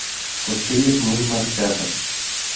Costillas muy marcadas.